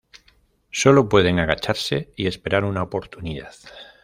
Solo pueden agacharse y esperar una oportunidad.